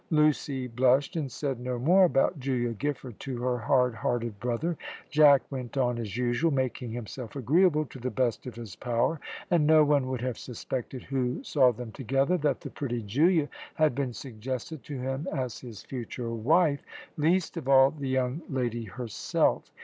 Lucy blushed, and said no more about Julia Giffard to her hard hearted brother. Jack went on as usual, making himself agreeable, to the best of his power, and no one would have suspected who saw them together, that the pretty Julia had been suggested to him as his future wife, least of all the young lady herself.